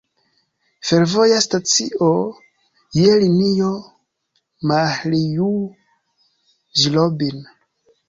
Fervoja stacio je linio Mahiljoŭ-Ĵlobin.